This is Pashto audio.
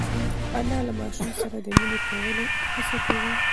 انا له ماشوم سره د مینې کولو هڅه کوي.